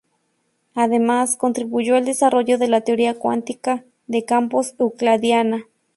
Además, contribuyó al desarrollo de la teoría cuántica de campos euclidiana.